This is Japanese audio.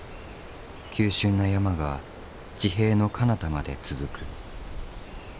急しゅんな山が地平のかなたまで続く。